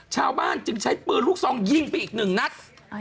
ชาวบ้านจึงใช้ปืนลูกซองยิงไปอีกหนึ่งนัด